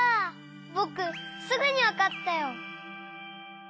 ぼくすぐにわかったよ！